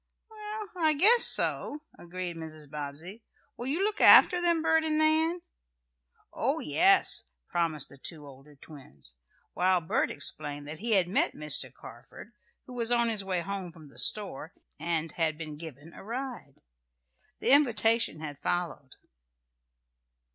"Well, I guess so," agreed Mrs. Bobbsey, "Will you look after them, Bert and Nan?" "Oh, yes," promised the two older twins, while Bert explained that he had met Mr. Carford, who was on his way home from the store, and had been given a ride. The invitation had followed.